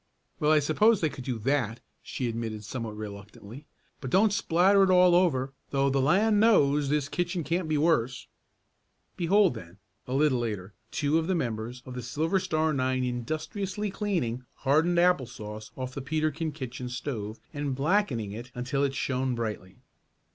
"Well, I suppose they could do that," she admitted somewhat reluctantly. "But don't splatter it all over, though the land knows this kitchen can't be worse." Behold then, a little later, two of the members of the Silver Star nine industriously cleaning hardened apple sauce off the Peterkin kitchen stove, and blackening it until it shone brightly.